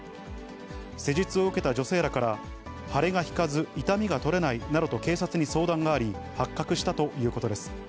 施術を受けた女性らから、腫れが引かず痛みが取れないなどと警察に相談があり、発覚したということです。